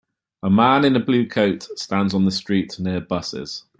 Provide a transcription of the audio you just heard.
A man in a blue coat stands on the street near buses.